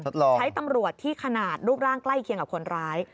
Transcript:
ใช้ตำรวจที่ขนาดรูปร่างใกล้เคียงกับคนร้าย